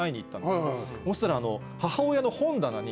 そうしたら。